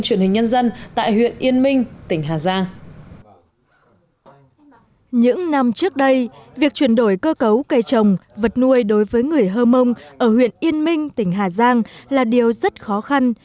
chuyển đổi cơ cấu cây trồng vật nuôi đối với người hơ mông ở huyện yên minh tỉnh hà giang là điều rất khó khăn